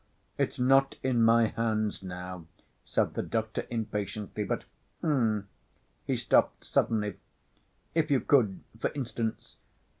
"It's not in my hands now," said the doctor impatiently, "but h'm!..." he stopped suddenly. "If you could, for instance